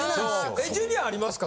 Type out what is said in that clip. ジュニアありますか？